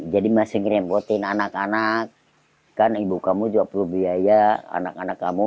jadi masih ngerempetin anak anak kan ibu kamu juga perlu biaya anak anak kamu